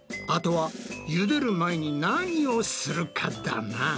あとは茹でる前に何をするかだな。